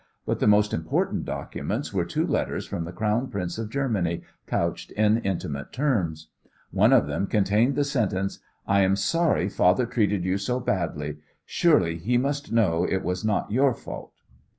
But the most important documents were two letters from the Crown Prince of Germany couched in intimate terms. One of them contained the sentence, "I am sorry Father treated you so badly. Surely he must know it was not your fault."